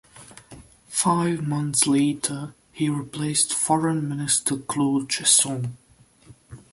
Five months later, he replaced Foreign Minister Claude Cheysson.